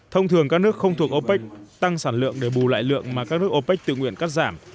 thông thường các nước không thuộc opec tăng sản lượng để bù lại lượng mà các nước opec tự nguyện cắt giảm